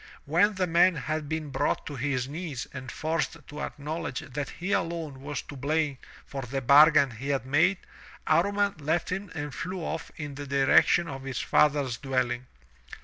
When the man had been brought to his knees and forced to acknowledge that he alone was to blame for the bargain he had made, Amman left him and flew off in the direction of his father's dwelling.